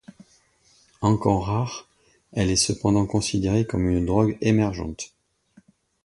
Encore rare, elle est cependant considérée comme une drogue émergente.